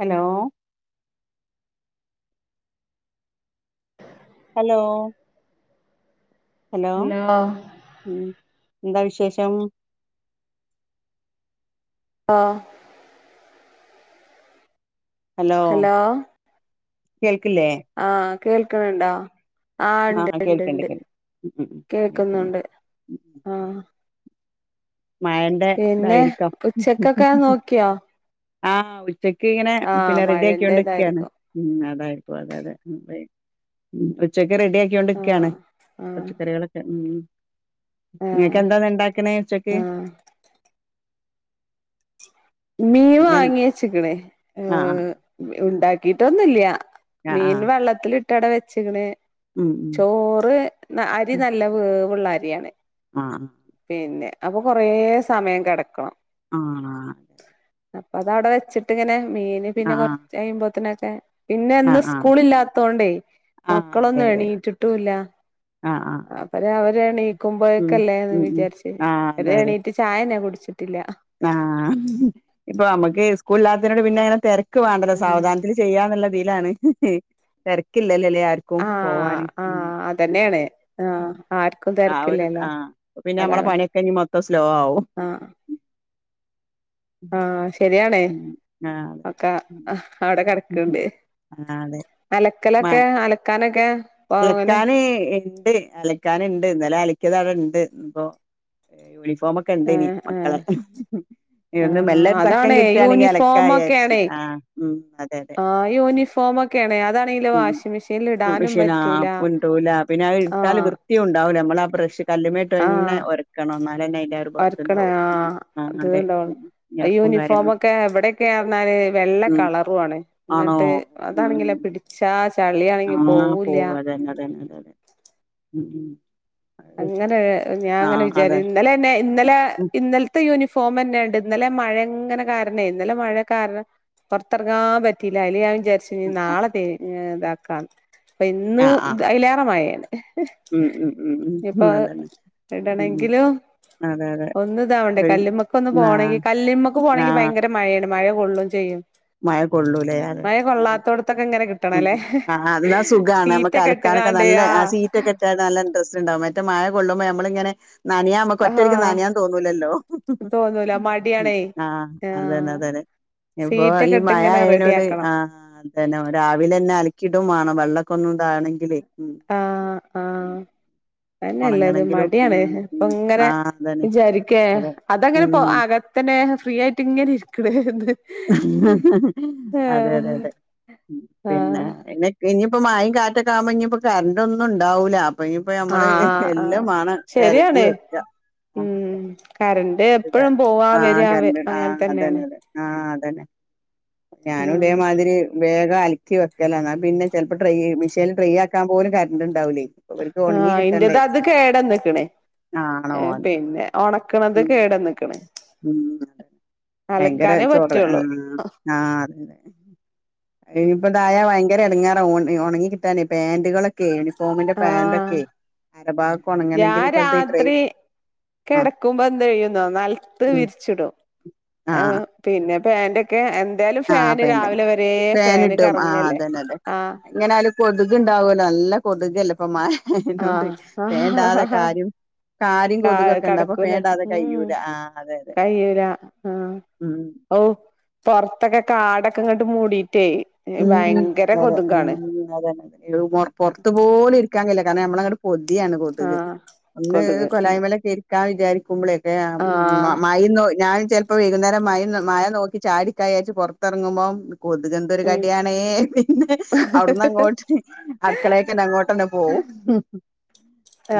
Hello hello hello എന്താ വിശേഷം ആഹ് ഹലോ കേൾക്കില്ലേ ആഹ് കേൾക്കണണ്ടോ ആഹ് ഇണ്ട് ഇണ്ട് കേൾക്കണ്ട് ഇണ്ട് കേൾ ഉം കേൾക്കണ്ട് കേക്കുന്നുണ്ട് ആഹ് മഴന്റെ പിന്നെ ഇതായിരിക്കാം ഉച്ചക്കൊക്കെ നോക്കിയോ ആഹ് ഉച്ചക്ക് ഇങ്ങനെ ആ പിന്നെ റെഡി ആക്കിയൊണ്ട് നിക്കാണ് മഴന്റേതായിരിക്കും ഉം അതായിരിക്കും അതെ അതെ ഉച്ചക്ക് റെഡിയ ആ റെഡിയാക്കിക്കൊണ്ട്ക്കാണ് ആ പച്ചക്കറികളൊക്കെ ഉം ആ നിങ്ങക്ക് എന്താ ഇന്ന് ഉണ്ടാക്കണേ ഉച്ചക്ക് ആ മീൻ ഇന്ന് വാങ്ങി വച്ച്ക്ക്ണ്‌ ആഹ് ഉണ്ടാക്കിട്ടൊന്നില്ല ആഹ് മീൻ ആഹ് വെള്ളത്തിൽ ഇട്ട് അവിടെ വെച്ച്ക്ക്ണ് ഉം ചോറ് അരി ഉം നല്ല വേവുള്ള അരിയാണ് ആഹ് പിന്നെ അപ്പൊ കൊറേ സമയം കിടക്കണം ആഹ് അപ്പൊ അത് അവിടെ വെച്ചിട്ട് ഇങ്ങനെ മീന് പിന്നെ ആഹ് കൊറച്ച് ആഹ് കയുമ്പോത്തനൊക്കെ പിന്നെ ആഹ് ഇന്ന് ആഹ് സ്കൂൾ ഇല്ലാത്തോണ്ടേ ആഹ് അതെ മക്കളൊന്നും അതെ എണീറ്റിട്ടും ഇല്ല ആഹ് ആഹ് അപ്പൊ രാവിലെ ഉം എണീക്കുമ്പോഴക്കല്ലേന്ന് ഉം ഉം വിചാരിച്ച് ആഹ് അതെ അതെ എണീറ്റ് ചായന്നെ കുടിച്ചിട്ടില്ല ആഹ് ഇപ്പൊ നമ്മക്ക് സ്കൂളില്ലാതോണ്ട് പിന്നെ തിരക്ക് വേണ്ടല്ലോ ആഹ് സാവധാനത്തിൽ ചെയ്യാന്നുള്ളതിലാണ് തിരക്കില്ലല്ലോ അല്ലേ ആർക്കും പോവാന് ആഹ് അതന്നെയാണ് ആഹ് ആർക്കും ആഹ് ഒരു തിരക്കില്ലല്ലോ ആഹ് പിന്നെ നമ്മളെ അതാണ് പണിയൊക്കെ ഇനി മൊത്തം സ്ലോ ആവും. ആഹ് ആഹ് ശരിയാണേ ഉം ആഹ് അതെ ഒക്കെ അവിടെ കെട ക്ക്ണ്ട് ആഹ് അതെ മ അലക്കലൊക്കെ അലക്കാനൊക്കെ അങ്ങനെ അലക്കാന് ഇണ്ട് അല ക്കാനണ്ട് ഇന്നലെ അലക്കിയത് അവിടെ ഇണ്ട് ഇപ്പൊ യൂണിഫോം ഒ കണ്ടിനി ആഹ് ആഹ് മക്കളെ ഇവിടെന്ന് ആഹ് മെല്ലെരു തക്കം അതാണേ കിട്ടുകയാണെങ്കിൽ അലക്കായാരിച്ചു യൂണിഫോമൊക്കെയാണേ ആഹ് അതേന്നെ ക്കെയണെ അതണെങ്കില് വാഷിംഗ് മെഷീനിൽ ഇടാനും പ ആഹ് ഇണ്ടൂല പിന്നെ അത് ഇട്ടാല് വൃത്തിയും ഇണ്ടാവൂല നമ്മളെ ആ ബ്രഷ് കല്ലിമ്മിൽ ഇട്ടന്നെ ഒരക്കണം എന്നാലേ അയിന്റെ ഒരക്കണേ ആഹ് അത്‌ ഇണ്ടാവള്ളൂ ഉം ഞെർപ്പും കാര്യങ്ങളും യൂണിഫോമൊക്കെ ഇവിടെയൊക്കെ പറഞ്ഞാൽ വെള്ള ഉം കളർ പോവാണ് ആണോ എന്നിട്ട് ഉം അതാണെങ്കിലേ പിടിച്ചാ ചളിയാണെങ്കി പോവൂല്ല. തന്നെ തന്നെ അതെ ഉം ഉം അങ്ങനെ ഞാൻ അങ്ങനെ ആഹ് വിചാരി അതെ ഇന്നലെ പിന്നെ ഇന്നലെ ഉം ഇന്നലത്തെ യൂണിഫോമന്നെയുണ്ട് ഇന്നലെ മഴ ഇങ്ങനെ കാരണേ ഇന്നലെ മഴ കാരണം പുറത്തെറങ്ങാൻ പറ്റില്ല അയ്ല് ഞാൻ വിചാരിച്ചു ഇനി ആഹ് നാളെ ത ഇതാക്കാ അപ്പൊ ഇന്ന് ആഹ് ആഹ് അയിലേറെ മഴയാണ് ഉം ഉം ഉം ഉം ഇപ്പൊ ഉം അഹ് അതന്നെ ഉം ഉം ഇടണെങ്കിലോ അതെ അതെ ഒന്ന് ഇതാവണ്ടെ കല്ലുമ്മക്ക് ഒന്ന് പോകണെങ്കി ആഹ് കല്ലുമ്മക്ക് പോണെങ്കി ആഹ് ഭയങ്കര മഴെയാണ് മഴ കൊളളും ചെയ്യും മഴ കൊള്ളൂലേ മഴ കൊള്ളാത്തോടത്തൊക്കെ ഇങ്ങനെ ഉം കിട്ടണല്ലേ ആഹ് ആഹ് അത് ന്നാ സുഖാണ് സീറ്റൊക്കെ നമ്മക്കല ക്കാനെക്കെ ഇട്ട്കാണ്ട് നല്ല ആ ആഹ് സീറ്റക്കെ ഇട്ടക്കാണ്ട് നല്ല ഇൻട്രസ്റ്റ് ഉണ്ടാവും മറ്റേ മഴ കൊള്ളുമ്പോ നമ്മള്ങ്ങനെ നനയാ നമ്മക്ക് ഒറ്റയടിക്ക് നനയാൻ ആഹ് തോന്നുലല്ലോ തോന്നൂല മടിയാണേ ആഹ് അതന്നെ ആഹ് അതന്നെ അപ്പൊ ഈ സീറ്റൊക്കെ ഇട്ട് ഇങ്ങനെ റെഡി മഴയായേനോട് ആക്കണം ആഹ് അ തന്നെ രാവിലെന്നെ അലക്കിടുംവേണം വെള്ളൊക്കൊന്നും താണെങ്കി ലേ ഉം ആഹ് ആഹ് അത് തന്നെയല്ല ഇത് ഒണങ്ങണെങ്കിലും മടിയാണ് ഉം അപ്പൊ ഉം ഇങ്ങനെ ആഹ് അതന്നെ വിചാരിക്കേ അതെ അതങ്ങനെ പോ ഉം അക ത്തന്നെ ഫ്രീ ആയിട്ട് ഇങ്ങനെ ഇരിക്കണേന്ന് അതെ അതെ അതെ പിന്നെ ആഹ് [unintelligible] ഇനിയിപ്പോ മായേം കാറ്റൊക്ക ആവുമ്പോ ഇനിയിപ്പോ കറണ്ട് ഒന്നും ഉണ്ടാവൂല്ല അപ്പ ഇനിയിപ്പ നമ്മള് ആഹ് എല്ലാം വാണം കരുതി ശരിയാണ് വെക്ക ഉം കറൻ്റ് [unintelligible] ആഹ് കരണ്ട് ആഹ് തന്നെയാണ് അതന്നെ ആഹ് അതന്നെ ഞാനും ഉം ഇതേമാതിരി വേഗം അലക്കി വെക്കലാ എന്നാ പിന്നെ ചെലപ്പോ ഡ്രൈ മിഷേനിൽ ഡ്രൈ ആക്കാൻ പോലും കറണ്ട് ഉണ്ടാവൂലേ ഇവർക്ക് ഉണങ്ങി ആഹ് കിട്ടണ്ടേ ഇന്റത് അത് കേടാന്നെക്കണ് ആണോ ആഹ് അതെ പിന്നെ ഒണക്കണത് ഉം കേടന്നക്കണ് ഉം ഭയങ്കര ചോറ് പറ്റുള്ളൂ ഉം ആഹ് അതെ ഇനിയിപ്പോതായാ ഭയങ്കര എടങ്ങേറാവും ഒണങ്ങി കിട്ടാനേ പാന്റുകളൊക്കെ ക്കെ യൂണിഫോമിന്റെ പാന്റ് ആഹ് ഒക്കെ അരഭാഗോക്കൊണങ്ങണെങ്കില് ഇപ്പോഴത്തെ ഈ ഡ്രെ കെടക്കുമ്പോ എന്ത് ചെയ്യുന്നോ നെലത്ത് ഉം വിരിച്ചിടും ആ ആഹ് പിന്നെ പാന്റെ ക്കെ എന്തായാലും ആ ഫാന് പാന്റ് രാവിലെ വരേ ഫാന് കറങ്ങല്ലേ ആഹ് എങ്ങനെയാലും കൊതുക്ണ്ടാവുല്ലോ നല്ല കൊതുകല്ലെ ഇപ്പൊ മഴയോണ്ട് ആഹ് ഫാൻ ടാതെ കാര്യം കാര്യം ആഹ് കൊതുകക്ക്ണ്ട് അപ്പൊ കടക്കൂല ഫേൻടാതെ ഉം കയ്യൂല ആഹ് അതെ അതെ ഉം ഓഹ് പൊറത്തൊക്കെ കാടൊക്കെങ്ങട്ട് മൂടിട്ടേ ഉം ഭയങ്കര അതെ അതെ കൊതുകാണ് ഉം അതന്നെ അതന്നെ മോറ പൊറത്ത് പോലും ഇരിക്കാൻ കയ്യില്ല കാരണം നമ്മളങ്ങട് പൊതിയാണ് കൊതുക് ആഹ് ഒന്ന് കൊതുക് കൊലായ്മല്ക്കെരിക്കാൻ വിചാരിക്കുമ്പോളേ ആഹ് [unintelligible] ഞാൻ ചെലപ്പോ ഇപ്പൊ വൈകുന്നേരം മഴയും മഴ നോക്കി ചായുടിക്കായരച്ച് പുറത്തിറങ്ങുമ്പോം കൊതുക് എന്തൊരു ഉം കാര്യം എവിടെയാണേ പിന്നെ അവിടന്നങ്ങോട്ട് അടുക്കളക്കന്നെ അങ്ങോട്ട്ന്നെ പോവും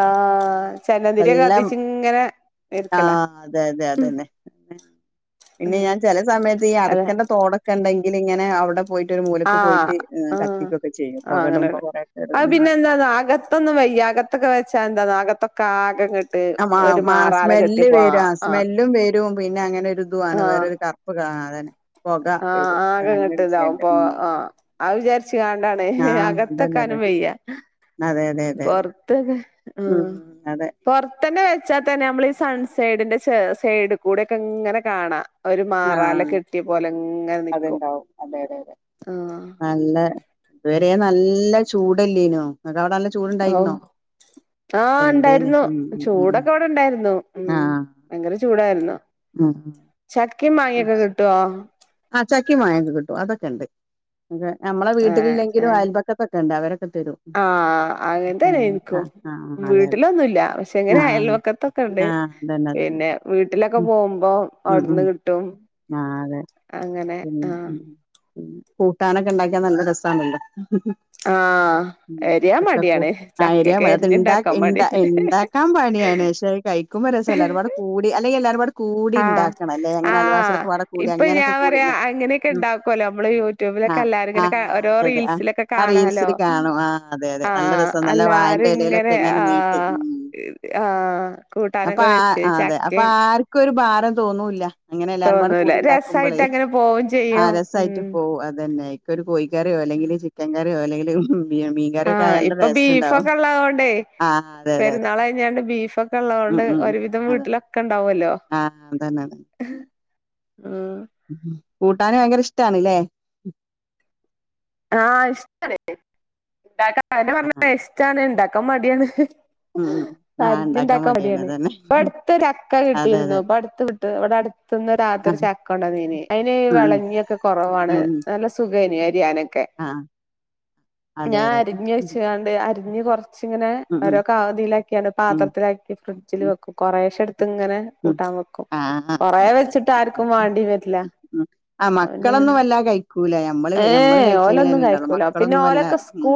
ആഹ് ചന്ദന തിരിയൊക്കെ നല്ല കത്തിച്ച്ങ്ങനെ ആഹ് അതെ അതെ അതന്നെ പിന്നെ ഞാൻ ചെല സമയത്ത് ഈ അതെ അടക്കന്റെ തോടൊക്കെ ഉണ്ടെങ്കിലിങ്ങനെ അവിടെ പോയിട്ട് ഒരു മൂലക്ക് ആഹ് പോയിട്ട് ആഹ് കത്തിക്കൊക്കെ ചെയ്യും ആഹ് പുകടുമ്പോ അങ്ങനെയള്ള അത് കൊറെയൊക്കെ പിന്നെ എന്താന്നോ അക ത്തൊന്നും വയ്യ അകത്തൊക്കെ വെച്ചാ എന്താന്നോ അകത്തൊക്കാകങ്ങട്ട് ആമ മആ സ്മെല്ല് വര ആഹ് സ്മെല്ലും വരും. രും പിന്നെ അങ്ങനെ ഒരു ഇതു ആണ് ആഹ് വേറൊരു കറുപ്പ് കാണാ അതന്നെ പൊക ആഹ് വരും അതാണ് അങ്ങനെ വിഷയണ്ട് ഉം ആ വിചാരിച്ച്കാണ്ടാണ് ആഹ് അതന്നെ അതെ അകത്തക്കാനും വെയ്യ. അതെ അതെ അതെ അതെ പൊറത്തൊക്കെ. ഉം ആഹ് അതെ പൊറത്തന്നെ വെച്ചാതന്നെ നമ്മൾ ഈഹ് സൺ സൈഡിന്റെ സൈഡിക്കുടെ ഒക്കെ ഇങ്ങനെ കാണാ ഒരു മാറാല ആഹ് കെട്ടിയ പോലെങ്ങനെ നിക്കും അത്ണ്ടാവും അതെ അതെ അതെ ആഹ് നല്ല ഇതുവരെ നല്ല ചൂടല്ലായിനോ നിങ്ങക്ക് അവിടെ ഔ ചൂടുണ്ടായിരുന്നോ? ആഹ് എന്തേന് ഇണ്ടായിരുന്നു ഉം ഉം ഉം ചൂടൊക്കെ ഇവിടെ ഇണ്ടായിരുന്നു ഉം ഭയങ്കര ചൂടായിരുന്നു ഉമ്മ് ചക്കിം മാങ്ങൊക്കെ കിട്ടോ? ആഹ് ചക്കിം മാങ്ങോക്കെ കിട്ടും അതൊക്കെ ഇണ്ട് നമ്മളെ ഏഹ് വീട്ടില്ഇല്ലങ്കിലും ഇവിടെ ഏഹ് അയൽപക്കത്തൊക്കെ ഇണ്ട് അവരൊക്കെ തരും ആഹ് അങ്ങനെതന്നെ എനിക്കും ആഹ് ആഹ് അതെ വീട്ടിലൊന്നുല്ല പക്ഷെ ഇങ്ങനെ ആഹ് അയൽപക്കത്തൊ ആഹ് അതന്നെ തന്നെ വീട്ടിലൊക്കെ പോവുമ്പോ അവിടുന്ന് കിട്ടും ആഹ് അതെ അങ്ങനെ പിന്നെ ആഹ് ഉം ഉം. കൂട്ടാനൊക്കെ ഇണ്ടാക്കിയാ നല്ല രസാണല്ലൊ ആഹ് ഉം എരിയാൻ ചക്ക മടിയാണ് കൂട്ടാ ചക്കയൊക്കെ അത്ണ്ടാ ഇണ്ട എരിഞ്ഞുണ്ടാക്കാൻ ണ്ട മടിയാണ് ഇണ്ടാക്കാൻ പണിയാണ് പക്ഷേ കഴിക്കുമ്പോ രസം എല്ലാരുംപാട് കൂടി അല്ലെങ്കി എല്ലാരുംപാട് കൂടി ആഹ് ഇണ്ടാക്ക ല്ലെ അങ്ങനെ ആഹ് അയൽവാസിളൊക്കെ പാടെകൂടി ഇപ്പൊ അങ്ങനെയൊക്കെ ഞാൻ കൂടി പറയാ അങ്ങനെയൊക്കെ ഉം ഉണ്ടാക്കുവല്ലോ നമ്മള് യൂട്യൂബിലൊക്കെ ആഹ് എല്ലാരും ഇങ്ങനെ ആഹ് കാ ഓരോ അതെ അതെ ആഹ് റീൽസിലൊക്കെ ആഹ് കാണാലോ റീൽസിൽ കാണും ആഹ് അതെ അതെ നല്ല ആഹ് രസം നല്ല വായന്റെ എല്ലാരും എലയിലൊ ഇങ്ങനെ നീട്ടി ആഹ് ഉം ആഹ് അപ്പ കൂട്ടാനൊക്കെ വെച്ച് ആഹ് അതെ അപ്പൊ ചക്കയും ആർക്കൊരു ഭാരം തോന്നൂല്ല അങ്ങനെ എല്ലാവരുപാടെ തോന്നൂല കൂടി ഇണ്ടാക്കുമ്പോള് രസായിട്ട് അങ്ങനെ പോവും ആഹ് ചെയ്യും രസായിട്ട് ഉം പോകും അത് തന്നെ ആഹ് ഒരു കോയിക്കറിയോ അല്ലെങ്കിൽ ചിക്കൻ കറിയോ അല്ലെങ്കിൽ ബീ ആഹ് ഇപ്പൊ ബീഫൊക്കെള്ള തോണ്ടേ ആ അതെ അതെ അതെ പെരുന്നാള് കഴിഞ്ഞാണ്ട് ബീഫൊ ഉള്ളത് കൊണ്ട് ഒരുവിധം വീട്ടിലൊക്കെ ഇണ്ടാവൊല്ലോ ആഹ് അത് തന്നെ ആഹ് ഉം ഉം കൂട്ടാന് ഭയങ്കര ഇഷ്ടണ്ല്ലേ ആഹ് ഇഷ്ടാണ് ആ പറഞ്ഞ ഇഷ്ടാണ് ഇണ്ടാക്കാൻ മടിയാണ് ഉം ഉം ആ ഇണ്ടാക്കാൻ പരിത്തിണ്ടാക്ക മടിയാണ് അതന്നെ ഇപ്പൊ അടുത്തു ച്ചക്ക അതെ കിട്ടിയിരുന്നു അതെ ഇപ്പടു ത്ത് ഇവിടെ അടുത്ത്ന്ന് താത്ത ആ ഒരു ചക്ക കൊണ്ടന്നിനി അതിന് ഉം വിളഞ്ഞിയൊക്കെ കൊറവാണ് ഉം ഉം നല്ല സുഖേനി അരിയാനൊക്കെ ആ അതെ ഞാൻ അതെ അരിഞ്ഞ ഉം വെച്ചക്കാണ്ട് അരിഞ്ഞ് കൊറ ച്ച് ഇങ്ങനെ ഉം ഓരോ കതിയിലാക്കിയാണ് ഉം പാത്രത്തിലാക്കി ഫ്രിഡ്ജിൽ ഉം വെക്കും കൊറെേശെ എടുത്ത് ഇങ്ങനെ ഉം കൂട്ടാൻ വെക്കും ആ ആ, അതെ കൊറെേ അതെ ആ വെച്ചിട്ട് അതെ അതെ ആർക്കും മാണ്ടിവരില്ല ഉം ആഹ് മക്കളൊന്നും വല്ല കഴിക്കൂല മ്മള് മ്മള് ഏഹ് കഴ ച്ചങ്കിലെ ഓലൊന്നും തന്നെ ഇണ്ടാകൊള്ളു കഴിക്കൂല പിന്നെ മക്കളൊന്നു വല്ല ഓലൊക്കെ ഉം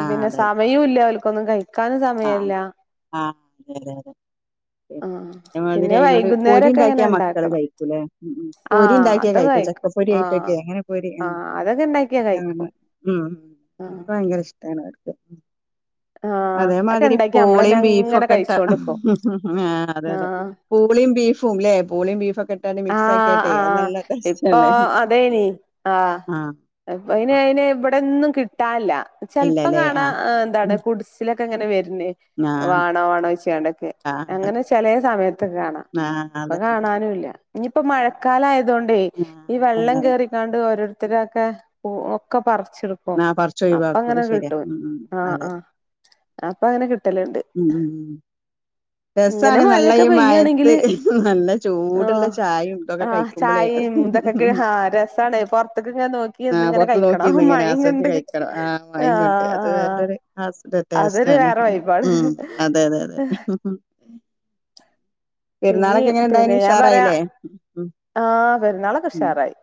ആഹ് സമയൂല്ല ഒലിക്കൊന്നും കഴിക്ക ആഹ് ആഹ് അതെതെ അതെ ആഹ് പറഞ്ഞ മാതിരി പിന്നെ അയിനോട് പൊരി വൈകുന്നേരൊക്കെ ഇണ്ടാക്കി ഇങ്ങനെ ആഹ് മക്കള് ഇണ്ടാക്കണം കഴിക്കൂലേ പൊരി ആഹ് ഇണ്ടാക്കിയ അതൊക്കെ കഴിക്കു കഴിക്കും ചക്കപ്പൊരി ആഹ് ആയിട്ടൊക്കെ അങ്ങനെ പൊരി ആഹ് അതൊക്കെ ഇണ്ടാക്കിയാ കഴിക്കും [unintelligible] ഉം ആഹ് ഭയങ്കര ഇഷ്ടാണ് അവർ ആഹ് അതൊക്കെ അതേമാതിരി ഇണ്ടാക്കി നമ്മളന്നെ പൊളയും അങ്ങനെ ബീഫൊക്കട്ടാ കഴിച്ചോണ്ട്ക്കും ആഹ് അതെ അതെ. ആഹ് പൂളിം ബീഫും ലെ പൂളിം ബീഫൊക്കെ [unintelligible] മിക്സ് ആഹ് ആക്കിട്ടെയ് അത് ആഹ് നല്ല ഇപ്പൊ ടേസ്റ്റ്ന്നെ ആഹ്. അപ്പൊ അയ്ന് ആഹ് അയ്ന് ഇവടെന്നും കിട്ടാല്ല ചെൽപ്പം ഇല്ലല്ലേ കാണാ ആഹ് എന്താണ് കുടിസ് സിലൊക്കെ ഇങ്ങനെ വര്ന്ന് ആഹ് വാണോ വാണോയ്ച്ച്ങ്ങാണ്ടൊക്കെ ആഹ് അതെ അങ്ങനെ ചെലെ സമയത്തൊക്കെ കാണാ. ആഹ് പ്പ അതന്നെ അതന്നെ കാണാനുല്ലാ ഇഞിപ്പോ മഴക്കാലയതോണ്ടേയ് ഈ ആഹ് അതന്നെ വെള്ളം അതെ കേറി താണ്ട് ഓരോര്ത്തരോക്കെ ഒക്കെ പർച്ച്ടും. അപ്പൊ ആഹ് പറിച്ചൊഴിവാക്കും അത് അപ്പങ്ങനെ ശരിയാ ക്ട്ടും ഉം ഉം ആഹ് അതെ ആഹ് അപ്പങ്ങനെ ക്ട്ടല്ണ്ട്. ഉം ഉം രസാണ് ന്നല്ല ഈ മയത്ത് പെയ്യാണെങ്കില് ന്നല്ല ചൂട്ള്ള ആഹ് ചായിം തൊക്കെ ആഹ് കയ്ക്കുമ്പോളേയ് ചായയും ഇതൊക്കെ ആഹ് രസാണ് പൊറത്ത്ക്ക് ഇങ്ങനെ നോക്കി ഇരുന്ന് ആഹ് ഇങ്ങനെ പൊർത്ത് കഴിക്കണം നോക്കിന്ന് ഇങ്ങനെ ആ മഴയും ആസ്വദിച്ചു കണ്ട് കയ്ക്കണം ആഹ് മയിം കൊണ്ട് ആഹ് അത് ആഹ് വേറൊരു ട്ടാസ് അതൊരു ടേസ്റ്റാണ് വേറെ വൈബാണ് ഉം. അതെ അതെ അതെ. പിന്നീ പെരുന്നാളൊക്കെ എങ്ങനെ പിന്നെ ഇണ്ടായിന് ഞാം പറയാ ഉഷാറായില്ലേ ഉം ആഹ് പെര്ന്നാളൊക്കെ ഉം ഉഷാറായി.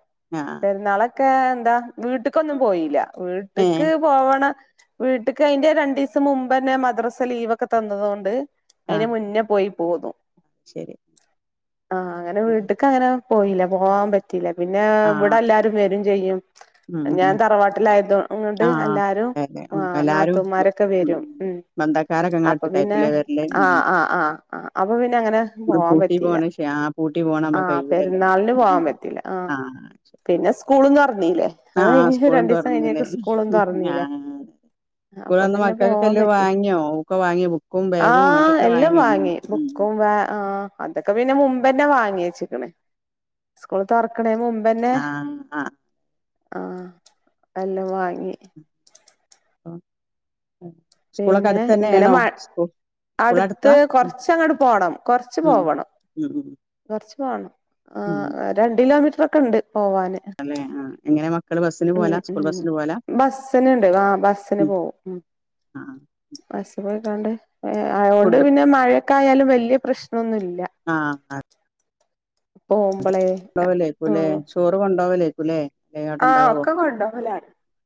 ആഹ് പെര്ന്നാളൊക്കെ എന്താ വ്ട്ട്ക്കൊന്നും പോയിലാ ഏഹ് വ്ട്ട്ക്ക് പോവണം വീട്ട്ക്ക് അയ്ന്റെ രണ്ടീസം മുമ്പന്നെ മദ്രസ ലീവ് ഒക്കെ തന്നതൊണ്ട് അയ്നെ ആഹ് മുന്നേ പോയി പോന്നു. ശരി. ആഹ് അങ്ങനെ വീട്ടക്ക് അങ്ങനെ പോയില്ല പോവാൻ പറ്റീല്ലാ പിന്നെ ഇവടെ ആഹ് എല്ലാരും വരും ചെയ്യും. ഉം ഞാൻ ഉം തറവാട്ടിലായത് ങൊണ്ട് ആഹ് എല്ലാരും അതെ അതെ ഉം ആഹ് എല്ലാരും ന്നാത്തൂമാരൊക്കെ വരും ഉം. ബന്ധക്കാരൊക്കെ ഇങ്ങളെ അപ്പൊ പിന്നെ അടുത്ത്ക്കായിരിക്കുംല്ലേ വരല് ഉം ആഹ് ആഹ് ആഹ് ആഹ് അപ്പൊ പിന്നെ അങ്ങനെ സ്കൂള് പോവാം പൂട്ടി പോണ പറ്റീലാ ക്ഷേ ആ പൂട്ടി പോണ നമ്മ ആഹ് കയ്യൂലല്ലോ പെര്ന്നാൾന് അല്ലാതെ പോവാം പറ്റീലാ ആഹ്. പിന്നെ സ്ക്കൂളും തോറന്നീലെ അത് ആഹ് കയ്ഞ് സ്കൂളും രണ്ടീസം തുറന്നില്ലേ കയ്ഞേക്ക്‌ സ്കൂളും തോറന്നീലെ. ആഹ് അപ്പൊ സ്കൂളന്ന് പിന്നെ പോവാം മക്കൾക്കെല്ലാം പറ്റി വാങ്ങിയോ ഒക്കെ വാങ്ങിയോ ബുക്കും ബാഗും ആഹ് അങ്ങനത്തൊക്കെ എല്ലാം വാങ്ങിയോ ഉം വാങ്ങി ഉം ബുക്കും വാ ആഹ് അതൊക്കെ പിന്നെ മുമ്പന്നെ വാങ്ങിച്ച്ക്ക്‌ണ് സ്കൂള് തൊറക്ക്‌ണേ മും മ്പന്നെ ആഹ് ആഹ് ആഹ് എല്ലാം വാങ്ങി. ആഹ്. പിന്നെ അ്‌ങ്ങനെ മാ സ്കൂ സ്കൂൾ അടുത്ത് അടുത്താ ഉം കൊർച്ചങ്ങട് പോണം കൊർച്ച് ഉം പോവണം. ഉം ഉം കൊർച്ച് പൊണം ഉം ആഹ് രണ്ട് കിലോമീറ്റ്റോക്കണ്ട് പോവാന്. അല്ലെ ആഹ് എങ്ങനെ മ ഉം ഉം ബസ്സിന്ണ്ട് ആഹ് ബസ്സിന് പോവും ഉം. ആഹ് ബസ് പോയിക്കാണ്ട് ആയേണ്ട് ഫുഡ് പിന്നെ മഴയൊക്കെ ആയാലും വല്ല്യ പ്രശ്നന്നുംല്ല. ആഹ്. പോവുംമ്പളെ കൊണ്ടോവലേര്ക്കുലെ ചോറ് കൊണ്ടോവലേര്ക്കുലെ. ആഹ് ഒക്കെ കൊണ്ടൊവലാ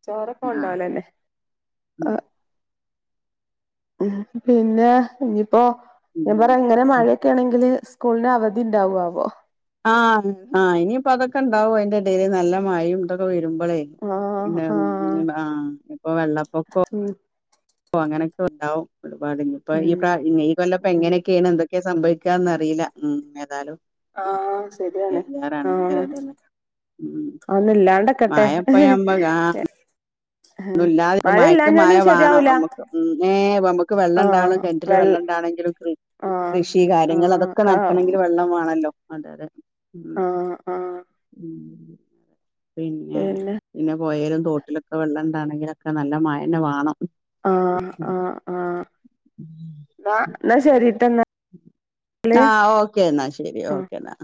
ചോറോക്കെ ആഹ് കൊണ്ടൊവലന്നെ. ഉം. ഉം, പിന്നെ ഇഞിപ്പോ ഉം ഞാം പറയാ ഇങ്ങനെ ഉം മഴക്കേണങ്കില് സ്കൂൾന് അവധി ണ്ടാവു ആവോ. ആഹ് ആഹ് ഇനിപ്പ അതൊക്കെണ്ടാവും അയ്ന്റെടേല് ന്നല്ല മയും ഇതൊക്കെ വരുംമ്പളേയ്. ആഹ് പിന്നെ ആഹ് ഉം ആഹ് ഇപ്പൊ വെള്ളപ്പൊകൊ ഉം ഓ അങ്ങനൊക്കണ്ടാവും ഒരുപാട് ഇഞിപ്പൊ ഈ പ്രാ ഉം ഈ ഉം കൊല്ലപ്പങ്ങനെ ക്കേണ് എന്തൊക്കെയാ സംഭവിക്കാന്ന അറീലാ ഉം ഏതാലും ആഹ് ശരിയാണ് ആഹ് അതൊന്നും ഇല്ലാണ്ടക്കട്ടെ [unintelligible] [unintelligible] ഒന്നുല്ലാതെ ക്ക് മഴ മയക്ക് മയ ഇല്ലാഞ്ഞാലും വാണം ശരിയാവൂല നമ്മക്ക് ന്നേ നമ്മക്ക് വെള്ളണ്ടാവണം ആഹ് കെ ട്ടില് വെള്ള വെള്ളം ണ്ടാണെങ്കിലും കൃ ആഹ് കൃഷി കാര്യങ്ങള് അതൊക്കെ ആഹ് നടത്തണെങ്കിലും വെള്ളം വാണല്ലോ അതെതെ ഉം ആഹ് ആഹ് ഉം പിന്നെ പിന്നെ പൊയേലും തോട്ടിലൊക്കെ വെള്ളണ്ടാണെങ്കിലൊക്കെ നല്ല മഴന്നെ വാണം ആഹ് ആഹ് ആഹ് ന്നാ ന്നാ ശെരിട്ടോ ന്നാ ആഹ് ഓക്കെ ന്നാ ശെരി ഓക്കെ ആഹ് ന്നാ